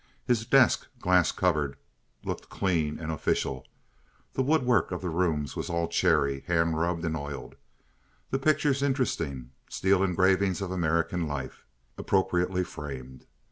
His desk, glass covered, looked clean and official. The woodwork of the rooms was all cherry, hand rubbed and oiled, the pictures interesting steel engravings of American life, appropriately framed.